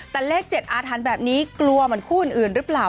แต่เลข๗อาถรรพ์แบบนี้กลัวเหมือนคู่อื่นหรือเปล่า